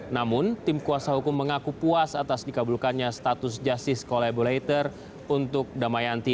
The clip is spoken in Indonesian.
namun tim kuasa hukum mengaku puas atas dikabulkannya status justice collaborator untuk damayanti